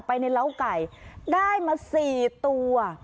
ไปในเล้าไก่ได้มา๔ตัว